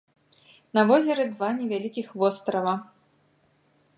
На возеры два невялікіх вострава.